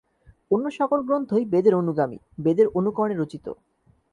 অন্য সকল গ্রন্থই বেদের অনুগামী, বেদের অনুকরণে রচিত।